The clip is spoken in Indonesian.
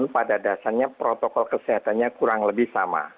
pada dasarnya protokol kesehatannya kurang lebih sama